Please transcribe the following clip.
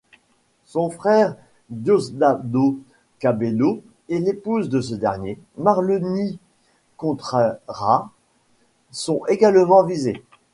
Son frère Diosdado Cabello et l'épouse de ce dernier, Marleny Contreras sont également visés.